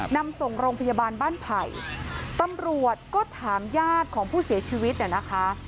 นำส่งโรงพยาบาลบ้านไผ่ตำรวจก็ถามญาติของผู้เสียชีวิตเนี่ยนะคะ